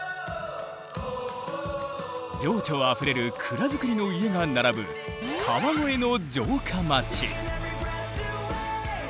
情緒あふれる蔵造りの家が並ぶ川越の城下町。